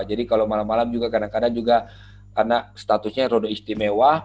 jadi kalau malam malam juga kadang kadang juga karena statusnya roda istimewa